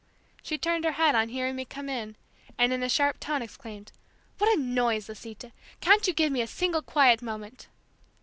She turned her head on hearing me come in and in a sharp tone exclaimed, "What a noise, Lisita! Can't you give me a single quiet moment!"